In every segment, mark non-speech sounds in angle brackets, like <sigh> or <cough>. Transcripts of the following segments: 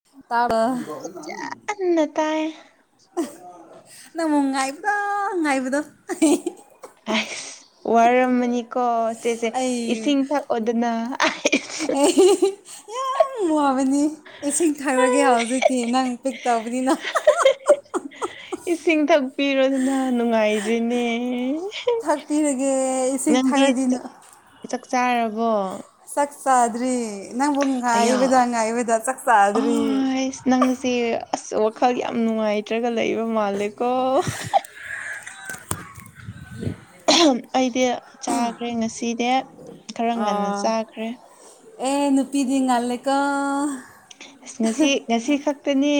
<unintelligible> ꯑꯟꯅ ꯇꯥꯏ <unintelligible> ꯑ ꯉꯥꯏꯕꯗꯣ ꯑꯁ ꯋꯥꯔꯝꯃꯅꯤꯀꯣ ꯆꯦꯁꯦ ꯑꯩ ꯏꯁꯤꯡ ꯊꯛ ꯑꯣ ꯗꯅ ꯌꯥꯝ ꯋꯥꯕꯅꯤ ꯏꯁꯤꯡ ꯊꯛꯔꯒꯦ ꯍꯧꯖꯤꯛꯇꯤ ꯅꯪ ꯄꯤꯛ ꯇꯧꯕꯅꯤꯅ ꯏꯁꯤꯡ ꯊꯛꯄꯤꯔꯣꯗꯅ ꯅꯨꯡꯉꯥꯏꯗ꯭ꯔꯤꯅꯦ ꯊꯛꯄꯤꯔꯒꯦ ꯏꯁꯤꯡ ꯅꯪꯗꯤ ꯊꯛꯔꯗꯤ ꯅꯨ ꯆꯥꯛ ꯆꯥꯛ ꯆꯥꯔꯕꯣ ꯆꯥꯛ ꯆꯥꯗ꯭ꯔꯤ ꯅꯪꯕꯨ ꯑꯌꯥ ꯉꯥꯏꯕꯗ ꯉꯥꯏꯕꯗ ꯆꯥꯛ ꯆꯥꯗ꯭ꯔꯤ ꯑꯁ ꯅꯪꯁꯦ ꯑꯁ ꯋꯥꯈꯜ ꯌꯥꯝ ꯅꯨꯡꯉꯥꯏꯇ꯭ꯔꯒ ꯂꯩꯕ ꯃꯥꯜꯂꯦꯀꯣ ꯑꯩꯗꯤ ꯆꯥꯈ꯭ꯔꯦ ꯉꯁꯤꯗꯤ ꯈꯔ ꯉꯟꯅ ꯑꯥ ꯆꯥꯈ꯭ꯔꯦ ꯑꯦ ꯅꯨꯄꯤꯗꯤ ꯉꯜꯂꯦ ꯑꯁ ꯉꯁꯤ ꯉꯁꯤ ꯈꯛꯇꯅꯦ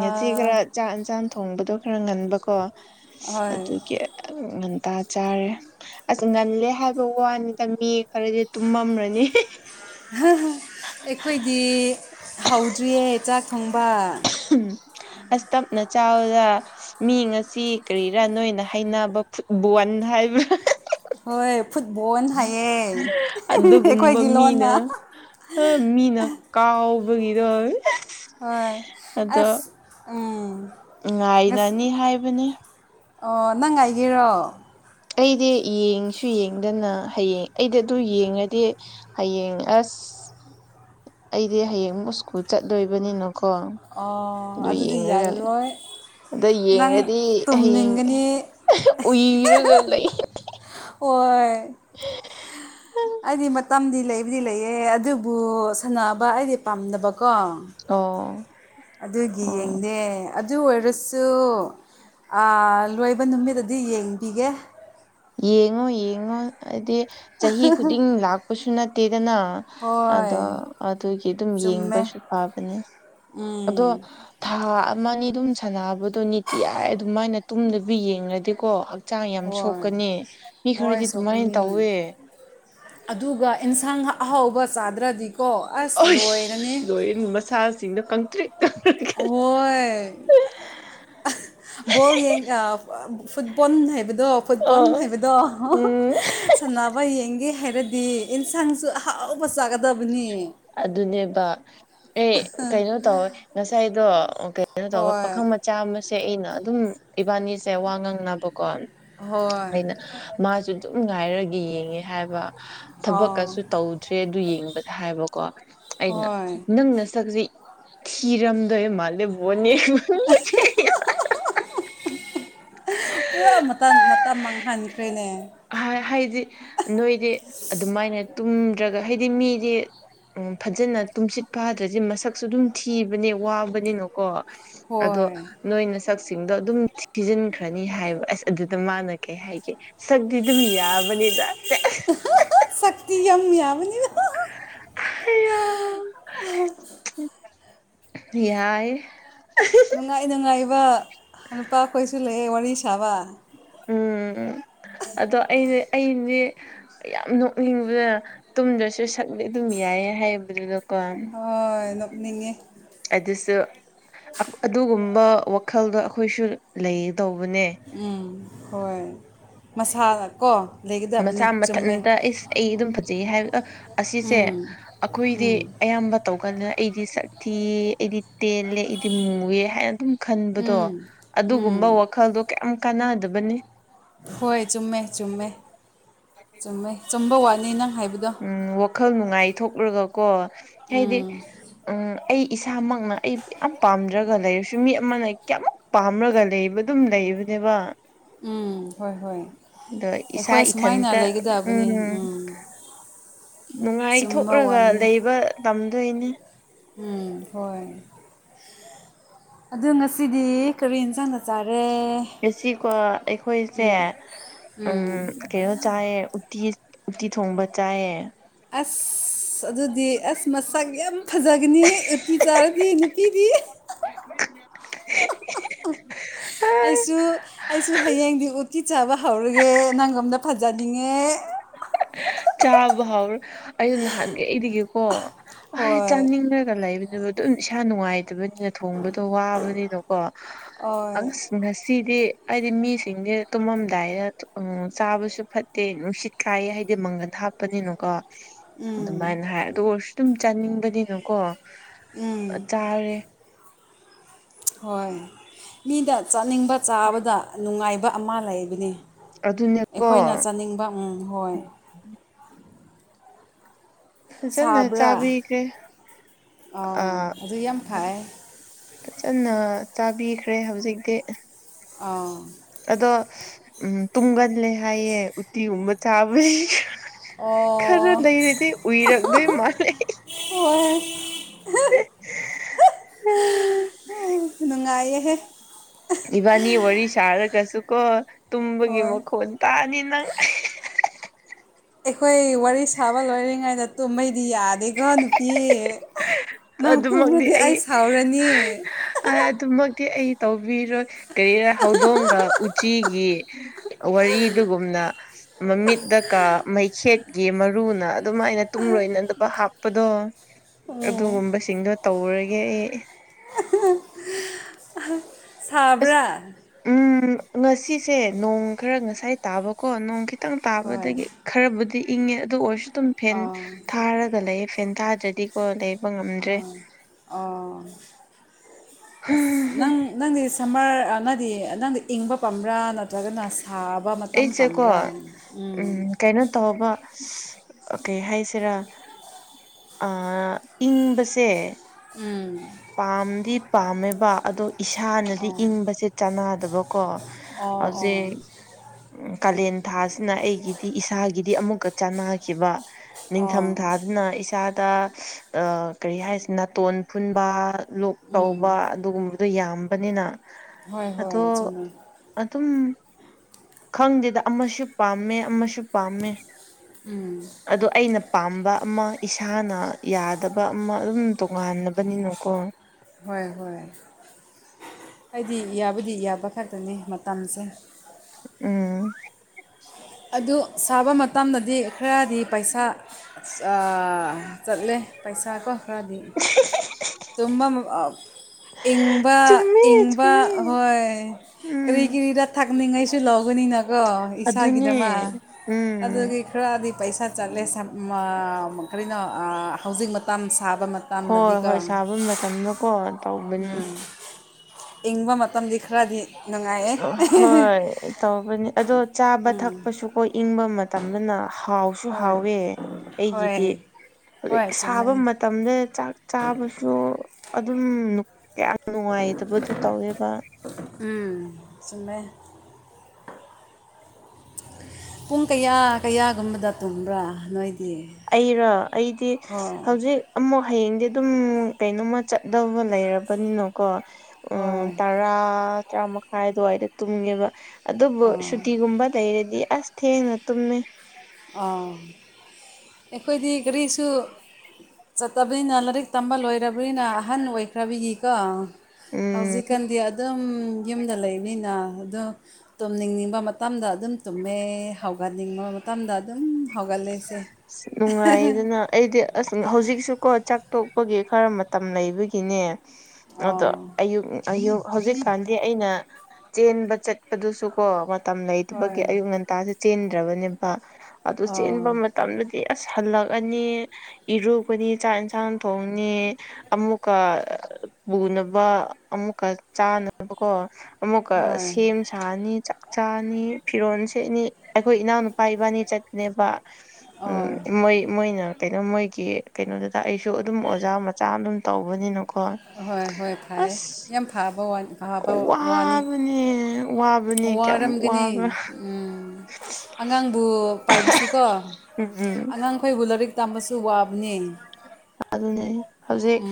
ꯉꯁꯤ ꯑꯥ ꯈꯔ ꯆꯥꯛ ꯏꯟꯁꯥꯡ ꯊꯣꯡꯕꯗꯣ ꯈꯔ ꯉꯟꯕꯀꯣ ꯍꯣꯏ ꯑꯗꯨꯒꯤ ꯉꯟꯇꯥ ꯆꯥꯔꯦ ꯑꯁ ꯉꯜꯂꯦ ꯍꯥꯏꯕ ꯋꯥꯅꯤꯗ ꯃꯤ ꯈꯔꯗꯤ ꯇꯨꯝꯔꯝꯅꯤ ꯍꯥ ꯍꯥ ꯑꯩꯈꯣꯏꯗꯤ ꯍꯧꯗ꯭ꯔꯤꯌꯦ ꯆꯥꯛ ꯊꯣꯡꯕ ꯑꯁ ꯇꯞꯅ ꯆꯥꯎꯗ ꯃꯤ ꯉꯁꯤ ꯀꯔꯤꯔꯥ ꯅꯣꯏꯅ ꯍꯥꯏꯅꯕ ꯐꯨꯠꯕꯣꯟ ꯍꯥꯏꯕ꯭ꯔ ꯍꯣꯏ ꯐꯨꯠꯕꯣꯟ ꯍꯥꯏꯌꯦ <unintelligible> ꯑꯗꯨꯒꯨꯝꯕ ꯑꯩꯈꯣꯏꯒꯤ ꯂꯣꯟꯅ ꯃꯤꯅ ꯃꯤꯅ ꯀꯥꯎꯕꯒꯤꯗꯣ ꯍꯣꯏ ꯑꯁ ꯎꯝ ꯉꯁ ꯉꯥꯏꯔꯅꯤ ꯍꯥꯏꯕꯅꯤ ꯑꯣ ꯅꯪ ꯉꯥꯏꯒꯦꯔꯣ ꯑꯩꯗꯤ ꯌꯦꯡꯁꯨ ꯌꯦꯡꯗꯅ ꯍꯌꯦꯡ ꯑꯩꯗꯤ ꯑꯗꯨ ꯌꯦꯡꯉꯗꯤ ꯍꯌꯦꯡ ꯑꯁ ꯑꯩꯗꯤ ꯍꯌꯦꯡꯃꯨꯛ ꯏꯁꯀꯨꯜ ꯆꯠꯗꯣꯏꯕꯅꯤꯅꯀꯣ ꯑꯣ ꯑꯗꯨꯗꯤ ꯌꯥꯔꯔꯣꯏ ꯑꯗ ꯅꯪ ꯌꯦꯡꯉꯗꯤ ꯍꯌꯦꯡ ꯇꯨꯝꯅꯤꯡꯒꯅꯤ ꯎꯏꯔꯒ ꯂꯩ <unintelligible> ꯍꯣꯏ <unintelligible> ꯑꯩꯗꯤ ꯃꯇꯝꯗꯤ ꯂꯩꯕꯗꯤ ꯂꯩꯋꯦ ꯑꯗꯨꯕꯨ ꯁꯥꯟꯅꯕ ꯑꯩꯗꯤ ꯄꯥꯝꯗꯕ ꯀꯣ ꯑꯣ ꯑꯗꯨꯒꯤ ꯑꯣ ꯌꯦꯡꯗꯦ ꯑꯗꯨ ꯑꯣꯏꯔꯁꯨ ꯑꯥ ꯂꯣꯏꯕ ꯅꯨꯃꯤꯠꯗꯗꯤ ꯌꯦꯡꯕꯤꯒꯦ ꯌꯦꯡꯉꯨ ꯌꯦꯡꯉꯨ ꯍꯥꯏꯗꯤ ꯆꯍꯤ ꯈꯨꯗꯤꯡ ꯂꯥꯛꯄꯁꯨ ꯅꯠꯇꯦꯗꯅ ꯑꯗꯣ ꯍꯣꯏ ꯑꯗꯨꯒꯤ ꯑꯗꯨꯝ ꯆꯨꯝꯃꯦ ꯌꯦꯡꯕꯁꯨ ꯐꯕꯅꯦ ꯑꯗꯣ ꯎꯝ ꯊꯥ ꯑꯃ ꯑꯅꯤ ꯗꯨꯝ ꯁꯥꯟꯅꯕꯗꯣ ꯅꯤꯇꯤꯌꯥꯏ ꯑꯗꯨꯃꯥꯏꯅ ꯇꯨꯝꯗꯕꯤ ꯌꯦꯡꯉꯗꯤꯀꯣ ꯍꯛ ꯆꯥꯡ ꯌꯥꯝ ꯍꯣꯏ ꯁꯣꯛꯀꯅꯤ ꯃꯤ ꯍꯣꯏ ꯈꯔꯗꯤ ꯑꯗꯨꯃꯥꯏꯅ ꯁꯣꯛꯀꯅꯤ ꯇꯧꯋꯦ ꯑꯗꯨꯒ ꯑꯦꯟꯁꯥꯡ ꯑꯍꯥꯎꯕ ꯆꯥꯗ꯭ꯔꯗꯤ ꯑꯣꯁ ꯂꯣꯏꯔꯦ ꯃꯁꯥꯁꯤꯡꯗꯣ ꯀꯪꯇ꯭ꯔꯤꯛ ꯀꯪꯔꯒ ꯍꯣꯏ <unintelligible> ꯕꯣꯜ ꯌꯦꯡ ꯑꯥ ꯐꯨꯠꯕꯣꯟ ꯍꯥꯏꯕꯗꯣ ꯑ ꯐꯨꯠꯕꯣꯟ ꯍꯥꯏꯕꯗꯣ ꯎꯝ <unintelligible> ꯁꯥꯟꯅ ꯕ ꯌꯦꯡꯒꯦ ꯍꯥꯏꯔꯗꯤ ꯌꯦꯟꯁꯥꯡꯁꯨ ꯑꯍꯥꯎꯕ ꯆꯥꯒꯗꯕꯅꯤ ꯑꯗꯨꯅꯦꯕ ꯑꯦ ꯀꯩꯅꯣ ꯇꯧꯋꯦ ꯉꯁꯥꯏꯗꯣ ꯀꯩꯅꯣ ꯇꯧꯕ ꯍꯣꯏ ꯄꯥꯈꯪ ꯃꯥ ꯆꯥ ꯑꯃꯁꯦ ꯑꯩꯅ ꯑꯗꯨꯝ ꯏꯕꯥꯅꯤꯁꯦ ꯋꯥ ꯉꯥꯡꯅꯕꯀꯣ ꯍꯣꯏ ꯑꯩꯅ ꯃꯥꯁꯨ ꯑꯗꯨꯝ ꯉꯥꯏꯔꯒ ꯌꯦꯡꯉꯦ ꯍꯥꯏꯕ ꯑꯥꯎ ꯊꯕꯛꯀꯁꯨ ꯇꯧꯗ꯭ꯔꯦ ꯑꯗꯨ ꯌꯦꯡ ꯍꯥꯏꯕꯀꯣ ꯑꯩꯅ ꯍꯣꯏ ꯅꯪ ꯅꯁꯛꯖꯤ ꯊꯤꯔꯝꯗꯣꯏ ꯃꯥꯜꯂꯦ ꯕꯣꯟ <unintelligible> <unintelligible> <unintelligible> ꯄꯨꯔꯥ ꯃꯇꯟ ꯃꯇꯝ ꯃꯥꯡꯍꯟꯈ꯭ꯔꯦꯅꯦ ꯍꯥꯏ ꯍꯥꯏꯗꯤ ꯅꯣꯏꯗꯤ ꯑꯗꯨꯃꯥꯏꯅ ꯇꯨꯝꯗ꯭ꯔꯒ ꯍꯥꯏꯗꯤ ꯃꯤꯗꯤ ꯎꯝ ꯐꯖꯟꯅ ꯇꯨꯝꯁꯤꯠ ꯐꯥꯗ꯭ꯔꯗꯤ ꯃꯁꯛꯁꯨ ꯑꯗꯨꯝ ꯊꯤꯕꯅꯦ ꯋꯥꯕꯅꯤꯅꯀꯣ ꯑꯗꯣ ꯍꯣꯏ ꯅꯣꯏ ꯅꯁꯛꯁꯤꯡꯗꯣ ꯑꯗꯨꯝ ꯊꯤꯖꯤꯟ ꯈ꯭ꯔꯅꯤ ꯍꯥꯏꯕ ꯑꯁ ꯑꯗꯨꯗ ꯃꯥꯅ ꯀꯩ ꯍꯥꯏꯒꯦ ꯁꯛꯗꯤ ꯗꯨꯝ ꯌꯥꯕꯅꯤꯗ <unintelligible> ꯁꯛꯇꯤ ꯌꯥꯝ ꯌꯥꯕꯅꯤ <unintelligible> ꯌꯥꯏ ꯅꯨꯡꯉꯥꯏ ꯅꯨꯡꯉꯥꯏꯕ ꯅꯨꯄꯥꯈꯣꯏꯁꯨ ꯂꯩꯌꯦ ꯋꯥꯔꯤ ꯁꯥꯕ ꯎꯝ ꯎꯝ ꯑꯗꯣ ꯑꯩꯗꯤ ꯑꯩꯗꯤ ꯌꯥꯝ ꯅꯣꯛꯅꯤꯡꯕꯖꯦ ꯇꯨꯝꯗ꯭ꯔꯁꯨ ꯁꯛꯗꯤ ꯑꯗꯨꯝ ꯌꯥꯏ ꯍꯥꯏꯕꯗꯨꯗ ꯀꯣ ꯍꯣꯏ ꯅꯣꯛꯅꯤꯡꯉꯦ ꯑꯗꯨꯁꯨ ꯑꯗꯨꯒꯨꯝꯕ ꯋꯥꯈꯜꯗꯣ ꯑꯩꯈꯣꯏꯁꯨ ꯂꯩꯗꯧꯕꯅꯦ ꯎꯝ ꯍꯣꯏ ꯃꯁꯥꯗꯀꯣ ꯃꯁꯥ ꯃꯊꯟꯇ ꯏꯁ ꯑꯩ ꯑꯗꯨꯝ ꯐꯖꯩꯌꯦ ꯍꯥꯏꯕꯗ ꯑꯥ ꯑꯁꯤꯁꯦ ꯎꯝ ꯑꯈꯣꯏꯗꯤ ꯎꯝ ꯑꯌꯥꯝꯕ ꯇꯧꯒꯜꯂꯦ ꯑꯩꯗꯤ ꯁꯛ ꯊꯤ ꯑꯩꯗꯤ ꯇꯦꯜꯂꯦ ꯑꯩꯗꯤ ꯃꯨꯏꯌꯦ ꯍꯥꯏꯅ ꯑꯗꯨꯝ ꯈꯟꯕꯗꯣ ꯎꯝ ꯑꯗꯨꯒꯨꯝꯕ ꯎꯝ ꯋꯥꯈꯜꯗꯣ ꯀꯩꯝ ꯀꯥꯟꯅꯗꯕꯅꯤ ꯍꯣꯏ ꯆꯨꯝꯃꯦ ꯆꯨꯝꯃꯦ ꯆꯨꯝꯃꯦ ꯆꯨꯝꯕ ꯋꯥꯅꯤ ꯅꯪ ꯍꯥꯏꯕꯗꯣ ꯎꯝ ꯋꯥꯈꯜ ꯅꯨꯡꯉꯥꯏ ꯊꯣꯛꯂꯒꯀꯣ ꯍꯥꯏꯗꯤ ꯎꯝ ꯎꯝ ꯑꯩ ꯏꯁꯥꯃꯛꯅ ꯑꯩ ꯌꯥꯝ ꯄꯥꯝꯗ꯭ꯔꯒ ꯂꯩꯔꯁꯨ ꯃꯤ ꯑꯃꯅ ꯀꯌꯥꯃꯨꯛ ꯄꯥꯝꯔꯒ ꯂꯩꯕ ꯑꯗꯨꯝ ꯂꯩꯕ ꯅꯦꯕ ꯎꯝ ꯍꯣꯏ ꯍꯣꯏ ꯑꯗꯣ ꯏꯁꯥ ꯑꯩꯈꯣꯏ ꯏꯊꯟ ꯁꯨꯃꯥꯏꯅ ꯇ ꯂꯩꯒꯗꯕꯅꯤ ꯎꯝ ꯆꯨꯝꯕ ꯅꯨꯡꯉꯥꯏꯊꯣꯛꯂꯒ ꯋꯥꯅꯤ ꯂꯩꯕ ꯇꯝꯗꯣꯏꯅꯦ ꯎꯝ ꯍꯣꯏ ꯑꯗꯨ ꯉꯁꯤꯗꯤ ꯀꯔꯤ ꯏꯟꯁꯥꯡꯅ ꯆꯥꯔꯦ ꯉꯁꯤꯀꯣ ꯑꯩꯈꯣꯏꯁꯦ ꯎꯝ ꯀꯩꯅꯣ ꯆꯥꯏ ꯎꯇꯤ ꯎꯇꯤ ꯊꯣꯡꯕ ꯆꯥꯏꯌꯦ ꯑꯁ ꯑꯁ ꯑꯗꯨꯗꯤ ꯑꯁ ꯃꯁꯥꯛ ꯌꯥꯝ ꯐꯖꯒꯅꯤ ꯎꯇꯤ ꯆꯥꯔꯗꯤ ꯅꯨꯄꯤꯗꯤ <inaudible> ꯑꯩꯁꯨ ꯑꯩꯁꯨ ꯍꯌꯦꯡꯗꯤ ꯎꯇꯤ ꯆꯥꯕ ꯍꯧꯔꯒꯦ ꯅꯪꯒꯨꯝꯅ ꯐꯖꯅꯤꯡꯉꯦ ꯆꯥꯕ ꯍꯧꯔꯣ ꯑꯩꯗꯣ ꯅꯍꯥꯟꯒꯩꯗꯒꯤꯀꯣ ꯑꯩ ꯍꯣꯏ ꯆꯥꯅꯤꯡꯂꯒ ꯂꯩꯕꯅꯦꯕꯨ ꯑꯗꯨꯝ ꯏꯁꯥ ꯅꯨꯡꯉꯥꯏꯇꯕꯅꯤꯅ ꯊꯣꯡꯕꯗꯣ ꯋꯥꯕꯅꯤꯅ ꯑꯣ ꯍꯣꯏ ꯑꯁ ꯉꯁꯤꯗꯤ ꯑꯩꯗꯤ ꯃꯤꯁꯤꯡꯁꯦ ꯇꯨꯝꯃꯝꯗꯥꯏꯗ ꯆꯥꯕꯁꯦ ꯐꯠꯇꯦ ꯅꯨꯡꯁꯤꯠ ꯀꯥꯏꯌꯦ ꯍꯥꯏꯗꯤ ꯃꯪꯒꯜ ꯍꯥꯞꯄꯅꯤꯅꯀꯣ ꯑꯗꯨꯃꯥꯏꯅ ꯍꯥꯏ ꯑꯗꯨ ꯑꯣꯏꯔꯁꯨ ꯑꯗꯨꯝ ꯆꯥꯅꯤꯡꯕꯅꯤꯅꯀꯣ ꯎꯝ ꯆꯥꯔꯦ ꯍꯣꯏ ꯃꯤꯗ ꯆꯠꯅꯤꯡꯕ ꯆꯥꯕꯗ ꯅꯨꯡꯉꯥꯏꯕ ꯑꯃ ꯂꯩꯕꯅꯦ ꯑꯗꯨꯅꯦꯀꯣ ꯑꯩꯈꯣꯏꯅ ꯆꯥꯅꯤꯡꯕ ꯍꯣꯏ ꯐꯖꯅ ꯁꯥꯕ꯭ꯔꯥ ꯆꯥꯕꯤꯈ꯭ꯔꯦ ꯑꯥ ꯑꯗꯨ ꯌꯥꯝ ꯐꯩ ꯐꯖꯅ ꯆꯥꯕꯤꯈ꯭ꯔꯦ ꯍꯧꯖꯤꯛꯇꯤ ꯑꯥ ꯑꯗꯣ ꯎꯝ ꯇꯨꯝꯒꯜꯂꯦ ꯍꯥꯏꯌꯦ ꯎꯇꯤꯒꯨꯝꯕ ꯆꯥꯕꯁꯤꯁꯨ ꯈꯔ ꯑꯣ ꯂꯩꯔꯦꯗꯤ ꯎꯨꯏꯔꯛꯗꯣꯏ ꯃꯥꯥꯟꯂꯦ ꯍꯣꯢ ꯅꯨꯡꯉꯥꯏꯍꯦ ꯏꯕꯥꯅꯤ ꯋꯥꯔꯤ ꯁꯥꯔꯒꯁꯨꯀꯣ ꯇꯨꯝꯕꯒꯤ ꯍꯣꯏ ꯃꯈꯣꯟ ꯇꯥꯅꯤ ꯅꯪ ꯑꯩꯈꯣꯏ ꯋꯥꯔꯤ ꯁꯥꯕ ꯂꯣꯏꯔꯤꯉꯩꯗ ꯇꯨꯝꯃꯩꯗꯤ ꯌꯥꯗꯦꯀꯣ ꯅꯨꯄꯤ ꯅꯪ ꯇꯨꯝꯕꯗꯤ ꯑꯩ ꯁꯥꯎꯔꯅꯤ ꯑꯗꯨꯃꯛꯇꯤ ꯑꯩ ꯇꯧꯕꯤꯔꯣꯏ ꯀꯔꯤꯔ ꯍꯧꯗꯣꯡꯒ ꯎꯆꯤꯒꯤ ꯋꯥꯔꯤꯗꯨꯒꯨꯝꯅ ꯃꯃꯤꯠꯇ ꯀꯥ ꯃꯩꯈꯦꯠꯀꯤ ꯃꯔꯨꯅ ꯑꯗꯨꯃꯥꯏꯅ ꯇꯨꯡ ꯂꯣꯏꯅꯗꯕ ꯍꯥꯞꯄꯗꯣ ꯑꯗꯨꯒꯨꯝꯕꯁꯤꯡꯗꯣ ꯇꯧꯔꯒꯦ ꯑꯩ ꯑꯁ ꯁꯕ꯭ꯔꯥ ꯎꯝ ꯉꯁꯤꯁꯦ ꯅꯣꯡ ꯈꯔ ꯉꯁꯥꯏ ꯇꯥꯕꯀꯣ ꯅꯣꯡ ꯈꯤ ꯈꯤꯇꯪ ꯍꯣꯏ ꯇꯥꯕꯗꯒꯤ ꯈꯔꯕꯨꯗꯤ ꯏꯪꯉꯦ ꯑꯗꯨ ꯑꯣꯏꯔꯁꯨ ꯑꯗꯨꯝ ꯐꯦꯟ ꯑꯥ ꯊꯥꯔꯒ ꯂꯩꯌꯦ ꯐꯦꯟ ꯊꯥ ꯑꯗꯨꯗꯤ <inaudible> ꯑꯣ ꯑꯣ ꯑꯁ ꯅꯪ ꯅꯪꯗꯤ ꯁꯝꯃꯔ ꯅꯪꯗꯤ ꯅꯪꯗꯤ ꯏꯪꯕ ꯄꯥꯝꯕ꯭ꯔꯥ ꯅꯠꯇ꯭ꯔꯒꯅ ꯁꯥꯕꯥ ꯃꯇꯝ ꯑꯩꯁꯦꯀꯣ ꯄꯝꯕꯔꯥ ꯑꯝ ꯎꯝ ꯀꯩꯅꯣ ꯇꯧꯕ ꯑꯁ ꯀꯩ ꯍꯥꯏꯁꯤꯔꯥ ꯏꯪꯕꯁꯦ ꯎꯝ ꯄꯥꯝꯗꯤ ꯄꯥꯝꯃꯦꯕ ꯑꯗꯣ ꯏꯁꯥꯅꯗꯤ ꯑꯣ ꯏꯪꯕꯁꯦ ꯆꯥꯟꯅꯗꯕꯀꯣ ꯑꯣ ꯑꯣ ꯍꯧꯖꯤꯛ ꯎ ꯀꯥꯂꯦꯟ ꯊꯥꯁꯤꯅ ꯑꯩꯒꯤꯗꯤ ꯏꯁꯥꯒꯤꯗꯤ ꯑꯃꯨꯛꯀ ꯆꯅꯈꯤꯕ ꯑꯣ ꯅꯤꯡꯊꯝꯊꯥꯗꯅ ꯏꯁꯥꯗ ꯑ ꯀꯔꯤ ꯍꯥꯏꯁꯤꯅ ꯅꯥꯇꯣꯟ ꯐꯨꯟꯕ ꯂꯣꯛ ꯇꯧꯕ ꯎꯝ ꯑꯗꯨꯒꯨꯝꯕꯗꯣ ꯌꯥꯝꯕꯅꯤꯅ ꯍꯣꯏ ꯑꯗꯣ ꯍꯣꯏ ꯆꯨꯝꯃꯦ ꯑꯗꯨꯝ ꯈꯪꯗꯦꯗ ꯑꯃꯁꯨ ꯄꯥꯝꯃꯦ ꯑꯃꯁꯨ ꯄꯥꯝꯃꯦ ꯎꯝ ꯑꯗꯣ ꯑꯩꯅ ꯄꯥꯝꯕ ꯑꯃ ꯏꯁꯥꯅ ꯌꯥꯗꯕ ꯑꯃ ꯑꯗꯨꯝ ꯇꯣꯉꯥꯟꯅ ꯑꯗꯨꯅꯀꯣ ꯍꯣꯏ ꯍꯣꯏ ꯑꯩꯗꯤ ꯌꯥꯕꯨꯗꯤ ꯌꯥꯕ ꯈꯛꯇꯅꯤ ꯃꯇꯝꯁꯦ ꯎꯝ ꯑꯗꯨ ꯁꯥꯕ ꯃꯇꯝꯗꯗꯤ ꯈꯔꯗꯤ ꯄꯩꯁꯥ ꯑ ꯆꯠꯂꯦ ꯄꯩꯁꯥꯀꯣ ꯈꯔꯗꯤ ꯇꯨꯝꯃ <unintelligible> ꯏꯪꯕꯥ ꯆꯨꯝꯃꯦ ꯏꯪꯕꯥ ꯆꯨꯝꯃꯦ ꯍꯣꯏ ꯀꯔꯤ ꯎꯝ ꯀꯔꯤ ꯊꯛ ꯊꯛꯅꯤꯡꯉꯩꯁꯨ ꯂꯧꯕꯅꯤꯅꯀꯣ ꯑꯗꯨꯅꯦ ꯏꯁꯥꯒꯤꯗꯃꯛ ꯎꯝ ꯑꯗꯨꯒꯤ ꯈꯔꯗꯤ ꯄꯩꯁꯥ ꯆꯠꯂꯦ ꯁꯝ ꯑ ꯀꯔꯤꯅꯣ ꯍꯧꯖꯤꯛ ꯃꯇꯝ ꯁꯥꯕ ꯃ ꯍꯣꯏ ꯍꯣꯏ ꯁꯥꯕ ꯃꯇꯝꯗꯣꯀꯣ ꯎꯝ ꯏꯪꯕ ꯃꯇꯝꯗꯤ ꯈꯔꯗꯤ ꯅꯨꯡꯉꯥꯏꯌꯦ ꯍꯣꯏ ꯇꯧꯕꯅꯤ ꯑꯗꯣ ꯆꯥꯕ ꯊꯛꯄꯁꯨ ꯍꯣꯏ ꯏꯪꯕ ꯃꯇꯝꯗꯅ ꯍꯥꯎ ꯁꯨ ꯍꯣꯏ ꯍꯥꯎꯋꯦ ꯍꯣꯏ ꯑꯩꯒꯤꯗꯤ ꯍꯧꯖꯤꯛ ꯍꯣꯏ ꯁꯥꯕ ꯆꯨꯝꯃꯦ ꯃ ꯇꯝꯗꯦꯅ ꯆꯥꯛ ꯆꯥꯕꯁꯨ ꯑꯗꯨꯝ ꯅꯨꯞ ꯀꯌꯥ ꯅꯨꯡꯉꯥꯏꯇꯕꯗꯨ ꯇꯧꯋꯦꯕ ꯎꯝ ꯆꯨꯝꯃꯦ ꯄꯨꯡ ꯀꯌꯥ ꯀꯌꯥꯒꯨꯝꯕꯗ ꯇꯨꯝꯕ꯭ꯔꯥ ꯅꯣꯏꯗꯤ ꯑꯩꯔꯥ ꯑꯩꯗꯤ ꯍꯣꯏ ꯍꯧꯖꯤꯛ ꯑꯃꯨꯛ ꯍꯌꯦꯡꯗꯤ ꯑꯗꯨꯝ ꯀꯩꯅꯣꯃ ꯆꯠꯗꯧꯕ ꯂꯩꯔꯕꯅꯤꯅꯀꯣ ꯎꯝ ꯍꯣꯏ ꯇꯔꯥ ꯇꯔꯥ ꯃꯈꯥꯏ ꯑꯗꯨꯋꯥꯏꯗ ꯇꯨꯝꯉꯦꯕ ꯑꯗꯨꯕꯨ ꯑꯥ ꯁꯨꯇꯤꯒꯨꯝꯕ ꯂꯩꯔꯗꯤ ꯑꯁ ꯊꯦꯡꯅ ꯇꯨꯝꯃꯦ ꯑꯥ ꯑꯩꯈꯣꯏꯗꯤ ꯀꯔꯤꯁꯨ ꯆꯠꯇꯕꯅꯤꯅ ꯂꯥꯏꯔꯤꯛ ꯇꯝꯕ ꯂꯣꯏꯔꯕꯅꯤꯅ ꯑꯍꯟ ꯑꯣꯏꯈ꯭ꯔꯕꯤꯒꯤꯀꯣ ꯎꯝ ꯍꯧꯖꯤꯛꯀꯥꯟꯗꯤ ꯑꯗꯨꯝ ꯌꯨꯝꯗ ꯂꯩꯅꯤꯅ ꯑꯗꯣ ꯇꯨꯝꯅꯤꯡꯅꯤꯡꯕ ꯃꯇꯝꯗ ꯑꯗꯨꯝ ꯇꯨꯝꯃꯦ ꯍꯧꯒꯠꯅꯤꯡꯕ ꯃꯇꯝꯗ ꯑꯗꯨꯝ ꯍꯧꯒꯠꯂꯦꯁꯦ ꯑ ꯅꯨꯡꯉꯥꯏꯗꯅ ꯑꯩꯗꯤ ꯑꯁ ꯍꯧꯖꯤꯛꯁꯨꯀꯣ ꯆꯥꯛ ꯇꯣꯛꯄꯒꯤ ꯈꯔ ꯃꯇꯝ ꯂꯩꯕꯒꯤꯅꯦ ꯑꯗꯣ ꯑꯣ ꯑꯌꯨꯛ ꯑꯌꯨꯛ ꯍꯧꯖꯤꯛꯀꯥꯟꯗꯤ ꯑꯩꯅ ꯆꯦꯟꯕ ꯆꯠꯄꯗꯨꯁꯨ ꯀꯣ ꯃꯇꯝ ꯍꯣꯏ ꯂꯩꯇꯕꯒꯤ ꯑꯌꯨꯛ ꯉꯟꯇꯥꯁꯦ ꯆꯦꯟꯗ꯭ꯔꯕꯅꯦꯕ ꯑꯗꯨ ꯑꯣ ꯆꯦꯟꯕ ꯃꯇꯝꯗꯨ ꯁꯤ ꯑꯁ ꯍꯜꯂꯛꯑꯅꯤ ꯏꯔꯨꯀꯅꯤ ꯆꯥꯛ ꯏꯟꯁꯥꯡ ꯊꯣꯡꯅꯤ ꯑꯃꯨꯛꯀ ꯄꯨꯅꯕ ꯑꯃꯨꯛꯀ ꯆꯥꯅꯕꯀꯣ ꯑꯃꯨꯀ ꯍꯣꯏ ꯁꯦꯝ ꯁꯥꯅꯤ ꯆꯥꯛꯆꯥꯅꯤ ꯐꯤꯔꯣꯟꯜꯁꯦꯠꯅꯤ ꯑꯩꯈꯣꯏ ꯏꯅꯥꯎꯅꯨꯄꯥ ꯏꯕꯥꯅꯤ ꯆꯠ ꯄꯅꯦꯕ ꯎꯝ ꯑꯣ ꯃꯣꯏ ꯃꯣꯏꯅ ꯀꯩꯅꯣ ꯃꯣꯏ ꯀ ꯀꯩꯅꯣꯗꯨꯗ ꯑꯩꯁꯨ ꯑꯗꯨꯝ ꯑꯣꯖꯥ ꯃꯆꯥ ꯑꯃ ꯑꯗꯨꯝ ꯇꯧꯕꯅꯤꯅꯀꯣ ꯍꯍꯣꯏ ꯍꯣꯏ ꯐꯌꯦ ꯑꯁ ꯌꯥꯝ ꯐꯕꯅꯤ ꯐꯕ ꯋꯥꯅꯤ ꯋꯥꯕꯅꯦ ꯋꯥꯕꯅꯦ ꯀꯌꯥꯃꯨꯛ ꯋꯥꯔꯝꯒꯅꯤ ꯋꯥꯕ꯭ꯔꯥ ꯎꯝ ꯑꯉꯥꯡꯕꯨ ꯄꯥꯏꯕꯁꯨꯀꯣ ꯎꯝ ꯎꯝ ꯑꯉꯥꯡꯈꯣꯏꯕꯨ ꯂꯥꯏꯔꯤꯛ ꯇꯝꯕꯁꯨ ꯋꯥꯕꯅꯤ ꯑꯗꯨꯅꯦ ꯍꯧꯖꯤꯛ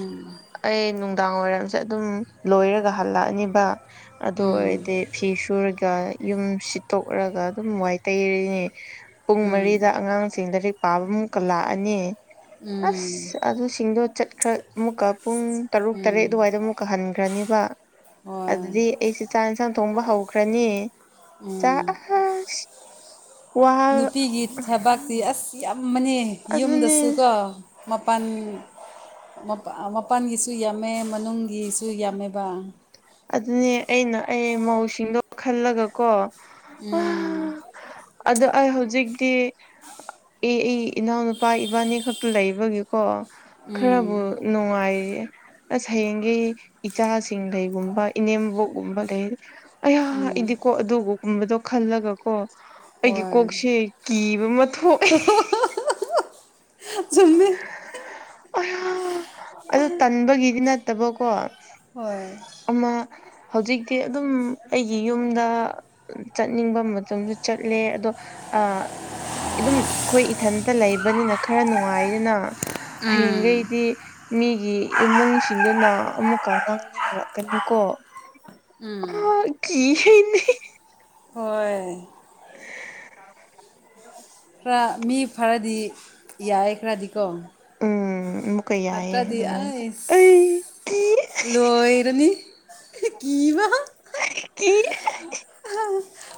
ꯑꯩ ꯅꯨꯡꯗꯥꯡ ꯋꯥꯏꯔꯝ ꯖꯦ ꯑꯗꯨꯝ ꯂꯣꯏꯔꯒ ꯍꯜꯂꯛꯑꯅꯤꯕ ꯑꯗꯨ ꯎꯝ ꯑꯣꯏꯔꯗꯤ ꯐꯤ ꯁꯨꯔꯒ ꯌꯨꯝ ꯁꯤꯠꯇꯣꯛꯔꯒ ꯑꯗꯨꯝ ꯋꯥꯏ ꯇꯩꯔꯅꯤ ꯄꯨꯡ ꯎꯝ ꯃꯔꯤꯗ ꯑꯉꯥꯡꯁꯤꯡ ꯂꯥꯏꯔꯤꯛ ꯄꯥꯕ ꯑꯃꯨꯛꯀ ꯂꯥꯛꯑꯅꯤ ꯎꯝ ꯑꯁ ꯑꯗꯨꯁꯤꯡꯗꯣ ꯆꯠꯈ꯭ꯔ ꯑꯃꯨꯛꯀ ꯄꯨꯡ ꯇꯔꯨꯛ ꯎꯝ ꯇꯔꯦꯠ ꯑꯗꯨꯋꯥꯏꯗ ꯑꯃꯨꯛꯀ ꯍꯟꯈ꯭ꯔꯅꯤꯕ꯫ ꯍꯣꯏ ꯑꯗꯨꯗꯤ ꯑꯩꯁꯦ ꯆꯥꯛ ꯌꯦꯟꯁꯥꯡ ꯊꯣꯡꯕ ꯍꯧꯈ꯭ꯔꯅꯤ ꯆꯥꯛ ꯎꯝ ꯑꯁ ꯋꯥ ꯅꯨꯄꯤꯒꯤ ꯊꯕꯥꯛꯇꯤ ꯑꯁ ꯌꯥꯝꯕꯅꯦ ꯑꯗꯨꯅꯦ ꯌꯨꯝꯗꯁꯨꯀꯣ꯫ ꯃꯄꯥꯟ ꯃꯄꯥꯟꯒꯤꯁꯨ ꯌꯥꯝꯃꯦ ꯃꯅꯨꯡꯒꯤꯁꯨ ꯌꯥꯝꯃꯦꯕ ꯑꯗꯨꯅꯦ ꯑꯩꯅ ꯑꯩ ꯃꯧꯁꯤꯡꯗꯣ ꯈꯜꯂꯒꯀꯣ ꯑ꯫ ꯎꯝ ꯑꯗꯣ ꯑꯩ ꯍꯧꯖꯤꯛꯇꯤ ꯑꯦ ꯑꯩ ꯏꯅꯥꯎꯅꯨꯄꯥ ꯏꯕꯥꯅꯤ ꯈꯛꯇ ꯂꯩꯕꯒꯤ ꯀꯣ ꯈꯔꯕꯨ ꯎꯝ ꯅꯨꯡꯉꯥꯏꯔꯤꯌꯦ ꯑꯁ ꯍꯌꯦꯡꯗꯤ ꯏꯆꯥꯁꯤꯡ ꯂꯩꯕ ꯃ ꯏꯅꯦꯝꯕꯣꯛꯒꯨꯝꯕ ꯂꯩ ꯑꯌꯥ ꯏꯗꯤꯀꯣ ꯑꯗꯨꯒꯒꯨꯝꯕꯗꯣ ꯈꯜꯂꯒꯀꯣ ꯑꯩꯒꯤ ꯍꯣꯏ ꯀꯣꯛꯁꯦ ꯀꯤꯕ ꯑꯃ ꯊꯣꯛꯑꯦ <unintelligible> ꯑꯩꯌꯥ ꯑꯗꯨ ꯇꯟꯕꯒꯤꯗꯤ ꯅꯠꯇꯕꯀꯣ ꯍꯣꯏ꯫ ꯑꯃ ꯍꯧꯖꯤꯛꯇꯤ ꯑꯗꯨꯝ ꯑꯩꯒꯤ ꯌꯨꯝꯗ ꯆꯠꯅꯤꯡꯕ ꯃꯇꯝꯁꯨ ꯆꯠꯂꯦ ꯑꯗꯣ ꯑꯥ ꯑꯗꯨꯝ ꯑꯩꯈꯣꯏ ꯏꯊꯟꯇ ꯂꯩꯕꯅꯤꯅ ꯈꯔ ꯅꯨꯡꯉꯥꯏ ꯌꯦꯅ ꯎꯝ ꯍꯌꯦꯡꯈꯩꯗꯤ ꯃꯤꯒꯤ ꯏꯃꯨꯡꯁꯤꯡꯗꯨꯅ ꯑꯃꯨꯛꯀ ꯉꯥꯡꯅꯤꯡꯂꯛ ꯀꯅꯤꯀꯣ ꯎꯝ꯫ ꯀꯤ ꯍꯦ ꯑꯩꯗꯤ ꯍꯣꯏ꯫ ꯈꯔ ꯃꯤ ꯐꯔꯗꯤ ꯌꯥꯏ ꯈꯔꯗꯤꯀꯣ ꯎꯝ ꯑꯃꯨꯛꯀꯥ ꯌꯥꯏꯌꯦ ꯐꯠꯇ꯭ꯔꯗꯤ ꯑꯗꯨꯃꯥꯏꯅ ꯑꯩꯁ ꯑꯩ ꯂꯣꯏꯔꯅꯤ ꯀꯤꯕ ꯀꯤ ꯀꯤ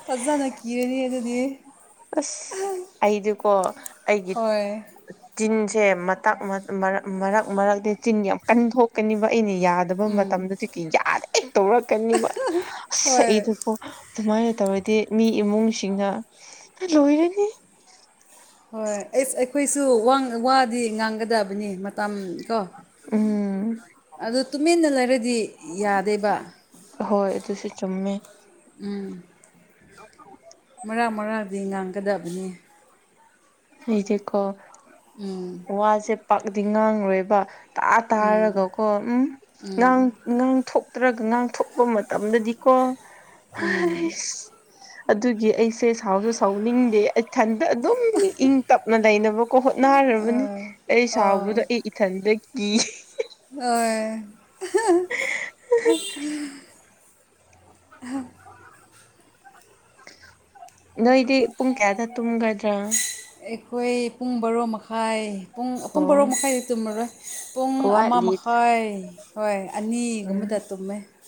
ꯐꯖꯅ ꯀꯤꯔꯅꯤ ꯑꯗꯨꯗꯤ ꯑꯁ ꯑꯩꯗꯤꯀꯣ ꯑꯩꯒꯤ ꯍꯣꯏ ꯆꯤꯟꯁꯦ ꯃꯇꯥꯛ ꯃꯔꯛ ꯃꯔꯛꯇ ꯆꯤꯟ ꯌꯥꯝ ꯀꯟꯊꯣꯛꯀꯅꯤꯕ ꯑꯩꯗꯤ ꯌꯥ ꯌꯥꯗꯕ ꯃꯇꯝꯗꯨꯗꯤ ꯌꯥꯗꯦ ꯇꯧꯔꯛꯀꯅꯤꯕ ꯑꯁ ꯍꯣꯏ ꯑꯩꯗꯤ ꯑꯣ ꯑꯗꯨꯃꯥꯏꯅ ꯇꯧꯔꯗꯤ ꯃꯤ ꯏꯃꯨꯡꯁꯤꯡꯅ ꯂꯣꯏꯔꯅꯤ꯫ ꯍꯣꯏ ꯑꯦꯁ ꯑꯩꯈꯣꯏꯁꯨ ꯋꯥꯡ ꯋꯥꯗꯤ ꯉꯥꯡꯒꯗꯕꯅꯤ ꯃꯇꯝ ꯀꯣ ꯎꯝ꯫ ꯑꯗꯨ ꯇꯨꯃꯤꯟꯅ ꯂꯩꯔꯗꯤ ꯌꯥꯗꯦꯕ ꯍꯣꯏ ꯑꯗꯨꯁꯨ ꯆꯨꯝꯃꯦ ꯎꯝ꯫ <inaudible> ꯃꯔꯥꯛ ꯃꯔꯥꯛꯗꯤ ꯉꯥꯡꯒꯗꯕꯅꯤ ꯑꯩꯗꯤꯀꯣ ꯎꯝ ꯋꯥꯁꯦ ꯄꯥꯛꯗꯤ ꯉꯥꯡꯔꯣꯏꯕ ꯇꯥ ꯎꯝ ꯇꯥꯔꯒꯀꯣ ꯎꯝ ꯎꯝ ꯅꯪ ꯉꯥꯡꯊꯣꯛꯇ꯭ꯔꯒ ꯉꯥꯡꯊꯣꯛꯄ ꯃꯇꯝꯗꯗꯤꯀꯣ ꯎꯝ ꯍꯥꯏꯁ ꯑꯗꯨꯒꯤ ꯑꯩꯁꯦ ꯁꯥꯎꯁꯨ ꯁꯥꯎꯅꯤꯡꯗꯦ ꯏꯊꯟꯗ ꯑꯗꯨꯝ ꯏꯪ ꯇꯞꯅ ꯂꯩꯅꯕꯀꯣ ꯍꯣꯠꯅꯔꯕꯅꯤ ꯑꯩ ꯁꯥꯎꯕꯗꯣ ꯑꯣ ꯑꯩ ꯏꯊꯟꯗ ꯀꯤ ꯑꯣ <unintelligible> <unintelligible> ꯅꯣꯏꯗꯤ ꯄꯨꯡ ꯀꯌꯥꯗ ꯇꯨꯝꯒꯗ꯭ꯔꯥ ꯑꯩꯈꯣꯏ ꯄꯨꯡ ꯕꯥꯔꯣ ꯃꯈꯥꯏ ꯄꯨꯡ ꯄꯨꯡ ꯕꯥꯔꯣ ꯑꯣ ꯃꯈꯥꯏꯗꯤ ꯇꯨꯝꯃꯔꯣꯏ ꯄꯨꯡ ꯑꯃ ꯋꯥꯠꯂꯤ ꯃꯈꯥꯏ ꯍꯣꯏ ꯎꯝ ꯑꯅꯤꯒꯨꯝꯕꯗ ꯇꯨꯝꯃꯦ